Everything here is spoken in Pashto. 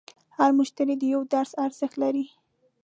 هر مشتری د یوه درس ارزښت لري.